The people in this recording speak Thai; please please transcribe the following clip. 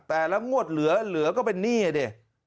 แต่แล้วงวดเหลือเหลือก็เป็นหนี้อ่ะเนี่ย